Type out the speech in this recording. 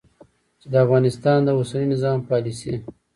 چې د افغانستان د اوسني نظام پالیسي